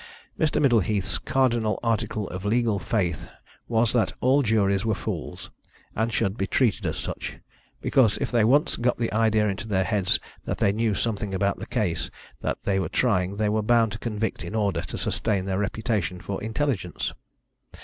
Mr. Middleheath's cardinal article of legal faith was that all juries were fools, and should be treated as such, because if they once got the idea into their heads that they knew something about the case they were trying they were bound to convict in order to sustain their reputation for intelligence.